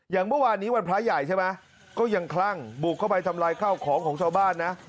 อย่างเมื่อวานนี้วันพระใหญ่ใช่ไหมก็ยังคลั่งบุกเข้าไปทำลายข้าวของของชาวบ้านนะ